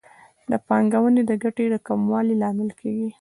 دا د پانګونې د ګټې د کموالي لامل کیږي.